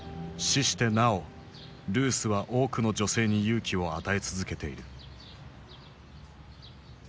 死してなおルースは多くの女性に勇気を与え続けている。